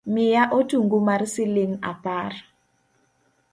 Miya otungu mar siling’ apar